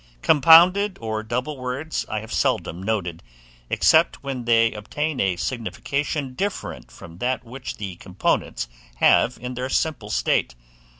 Compounded or double words I have seldom noted, except when they obtain a signification different from that which the components have in their simple state.